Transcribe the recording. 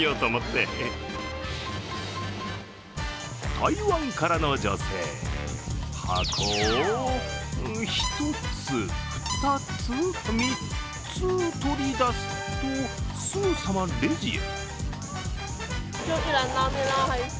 台湾からの女性、箱を１つ、２つ、３つ取り出すと、すぐさまレジへ。